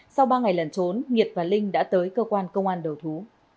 sau ba ngày lần trốn nhiệt và linh đã tới cơ quan công an đầu thú